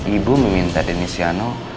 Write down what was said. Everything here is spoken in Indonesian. ibu meminta dennis tiano